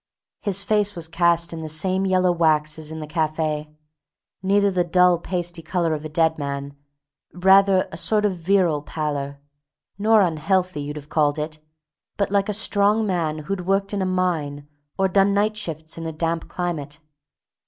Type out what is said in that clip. His face was cast in the same yellow wax as in the cafe, neither the dull, pasty color of a dead man—rather a sort of virile pallor—nor unhealthy, you'd have called it; but like a strong man who'd worked in a mine or done night shifts in a damp climate.